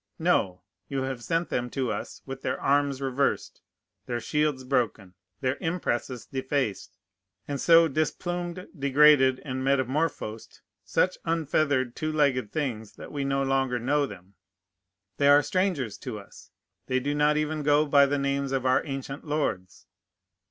No. You have sent them to us with their arms reversed, their shields broken, their impresses defaced, and so displumed, degraded, and metamorphosed, such unfeathered two legged things, that we no longer know them. They are strangers to us. They do not even go by the names of our ancient lords.